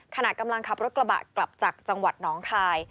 ขณะกำลังขับรถกระบะกลับจากจังหวัดน้องคาย